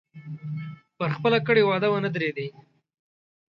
پر خپله کړې وعده ونه درېدی.